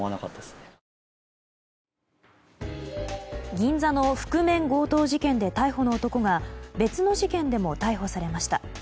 銀座の覆面強盗事件で逮捕の男が別の事件でも逮捕されました。